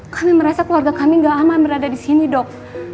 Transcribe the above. kami merasa keluarga kami gak aman berada disini dok